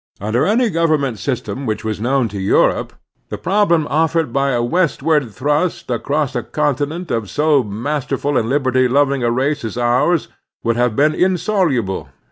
Under any governmental system which was known to Europe, the problem offered by the westward thrust, across a continent, of so master ful and liberty loving a race as ours would have been insoluble.